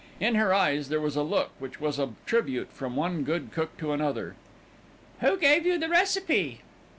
In her eyes there was a look which was a tribute from one good cook to another. "Who gave you the recipe?"